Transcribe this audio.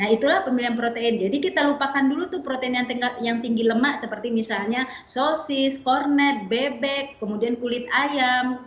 nah itulah pemilihan protein jadi kita lupakan dulu tuh protein yang tinggi lemak seperti misalnya sosis kornet bebek kemudian kulit ayam